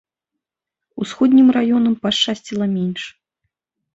Усходнім раёнам пашчасціла менш.